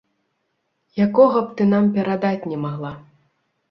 Якога б ты нам перадаць не магла.